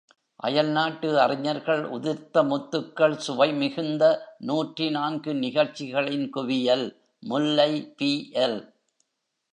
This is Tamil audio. அயல்நாட்டு அறிஞர்கள் உதிர்த்த முத்துக்கள் சுவைமிகுந்த நூற்றி நான்கு நிகழ்ச்சிகளின் குவியல் முல்லை பிஎல்.